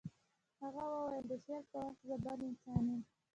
هغه وویل د شعر پر وخت زه بل انسان یم